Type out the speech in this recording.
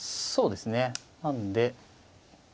そうですねなので。